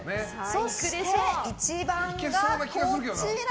そして、１番がこちら！